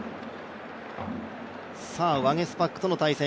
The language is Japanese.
ワゲスパックとの対戦。